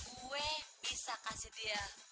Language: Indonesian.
gue bisa kasih dia